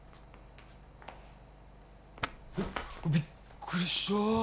えっびっくりした。